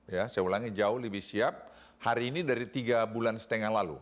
ya saya ulangi jauh lebih siap hari ini dari tiga bulan setengah lalu